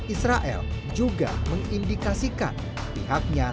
israel juga mengindikasikan pihaknya